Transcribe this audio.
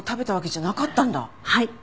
はい。